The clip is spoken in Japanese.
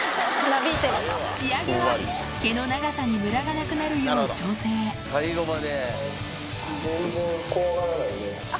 仕上げは毛の長さにムラがなくなるよう調整最後まで。